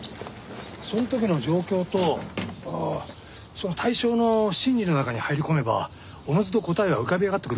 その時の状況とその対象の心理の中に入り込めばおのずと答えは浮かび上がってくるもんなんだよ。